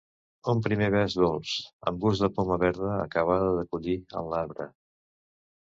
Un primer bes dolç, amb gust de poma verda acabada de collir en l'arbre.